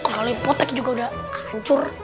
kurang lipotek juga udah hancur